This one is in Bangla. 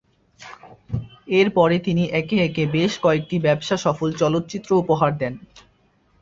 এরপরে তিনি একে একে বেশ কয়েকটি ব্যবসাসফল চলচ্চিত্র উপহার দেন।